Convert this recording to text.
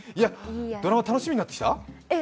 ドラマ、楽しみになってきた？